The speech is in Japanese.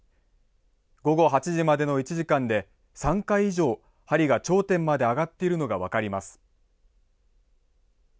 午後８時までの１時間で３回以上、針が頂点まで上がっているのが分かります。